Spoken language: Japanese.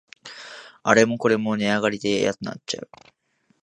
あれもこれも値上がりでやんなっちゃう